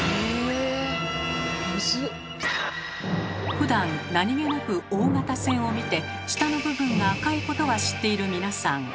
ふだんなにげなく大型船を見て下の部分が赤いことは知っている皆さん